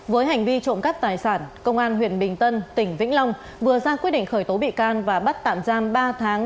với hành vi trộm cắp tài sản công an huyện bình tân tỉnh vĩnh long vừa ra quyết định khởi tố bị can và bắt tạm giam ba tháng